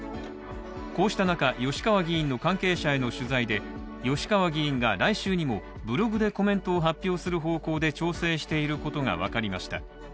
こうした中、吉川議員の関係者への取材で来週にもブログでコメントを発表する方向で調整していることが分かりました。